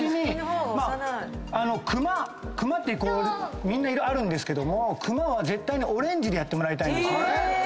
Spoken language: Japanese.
くまってみんな色あるけどくまは絶対にオレンジでやってもらいたいんですね。